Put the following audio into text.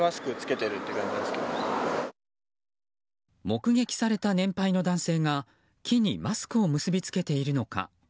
目撃された年配の男性が木にマスクを結び付けているのか。